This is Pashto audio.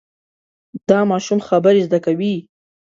دا ماشوم خبرې زده کوي.